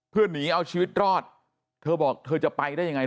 เพื่อหนีเอาชีวิตรอดเธอบอกเธอจะไปได้ยังไง